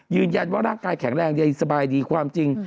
ยืนยันว่าร่างกายแข็งแรงดีสบายดีความจริง